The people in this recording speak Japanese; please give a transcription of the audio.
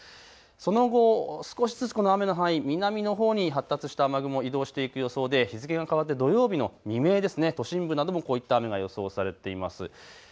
その後、少しずつこの雨の範囲、南のほうに発達した雨雲、移動していく予想で日付が変わって土曜日の未明、都心部などこういった雨が予想されています。